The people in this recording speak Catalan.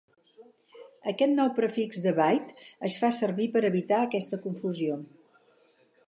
Aquest nou prefix de byte es fa servir per evitar aquesta confusió.